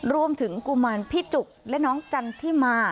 กุมารพี่จุกและน้องจันทิมา